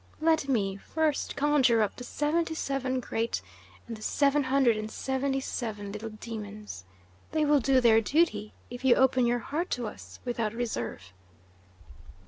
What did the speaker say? Let me first conjure up the seventy seven great and the seven hundred and seventy seven little demons. They will do their duty, if you open your heart to us without reserve."